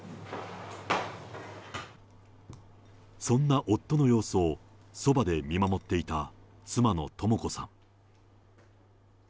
そんな夫の様子をそばで見守っていた妻の朋子さん。